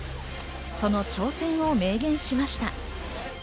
その挑戦を明言しました。